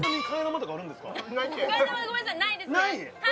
ないて替え玉はごめんなさいないですねない？